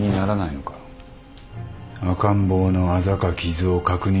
赤ん坊のあざか傷を確認したのか？